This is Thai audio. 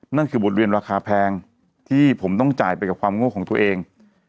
นั่นคือบทเรียนราคาแพงที่ผมต้องจ่ายไปกับความโง่ของตัวเอง